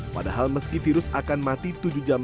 padahal meski virus akan mati tujuh jam